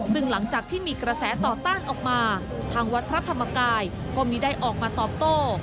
ซึ่งหลังจากที่มีกระแสต่อต้านออกมาทางวัดพระธรรมกายก็มีได้ออกมาตอบโต้